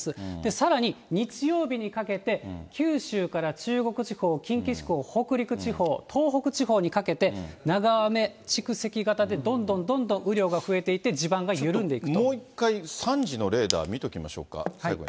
さらに、日曜日にかけて、九州から中国地方、近畿地方、北陸地方、東北地方にかけて、長雨蓄積型で、どんどんどんどん雨量が増えていって、もう一回、３時のレーダー見ておきましょうか、最後に。